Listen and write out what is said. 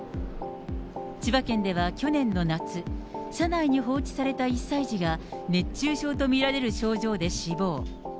千葉県では去年の夏、車内に放置された１歳児が、熱中症と見られる症状で死亡。